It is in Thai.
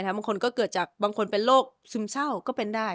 บางคนก็เกิดจากบางคนเป็นโรคซึมเศร้าก็เป็นได้